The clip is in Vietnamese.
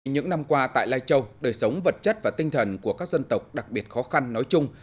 những năm qua tại lai châu đời sống vật chất và tinh thần của các dân tộc đặc biệt khó khăn nói chung